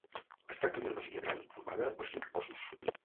Es tracta d'una masia gran formada per cinc cossos.